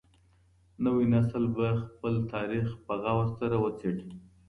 نوی نسل به خپل تاريخ په غور سره وڅېړي.